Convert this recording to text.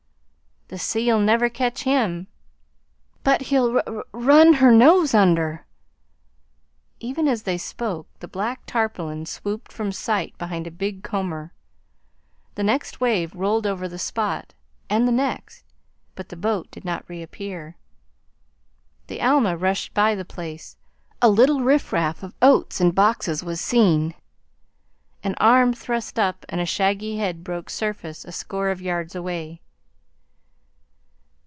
"The sea'll never catch him!" "But he'll r r run her nose under!" Even as they spoke, the black tarpaulin swooped from sight behind a big comber. The next wave rolled over the spot, and the next, but the boat did not reappear. The Alma rushed by the place. A little riffraff of oats and boxes was seen. An arm thrust up and a shaggy head broke surface a score of yards away.